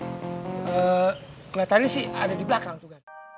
eh kelihatannya sih ada di belakang